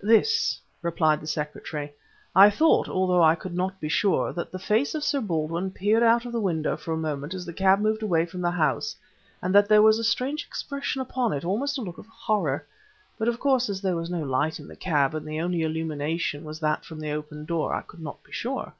"This," replied the secretary: "I thought, although I could not be sure, that the face of Sir Baldwin peered out of the window for a moment as the cab moved away from the house, and that there was strange expression upon it, almost a look of horror. But of course as there was no light in the cab and the only illumination was that from the open door, I could not be sure."